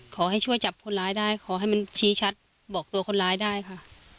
ขอให้ช่วยจับคนร้ายได้ขอให้มันชี้ชัดบอกตัวคนร้ายได้ค่ะ